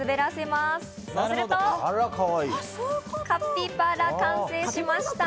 すると、カピパラが完成しました。